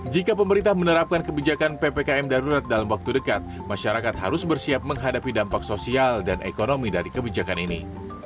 jika pemerintah menerapkan kebijakan ppkm darurat dalam waktu dekat masyarakat harus bersiap menghadapi dampak sosial dan ekonomi dari kebijakan ini